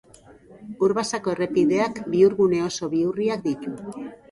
Urbasako errepideak bihurgune oso bihurriak ditu.